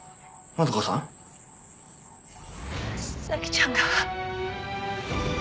咲ちゃんが。